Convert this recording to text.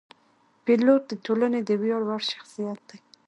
پیلوټ د ټولنې د ویاړ وړ شخصیت دی.